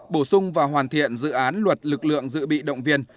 bổ sung và hoàn thiện dự án luật lực lượng dự bị động viên